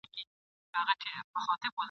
په یوه کتاب څوک نه ملا کېږي ..